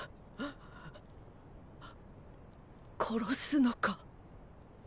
殺すのか。！